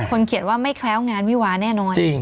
เค้าเคลียดว่าไม่แคล้วงานวิวาร์แน่นอน